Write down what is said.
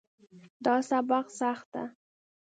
دا سبق سخت ده